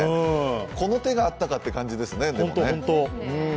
この手があったかという感じですね。